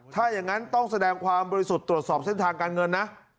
ถ้าอย่างนั้นต้องแสดงความบริสุทธิ์ตรวจสอบเส้นทางการเงินนะ